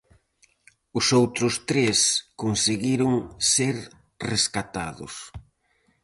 Os outros tres conseguiron ser rescatados.